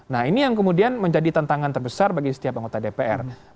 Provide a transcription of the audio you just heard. nah ini yang kemudian menjadi tantangan terbesar bagi setiap anggota dpr